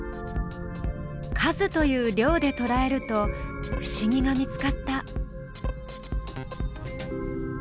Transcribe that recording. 「数」という「量」でとらえると不思議が見つかった。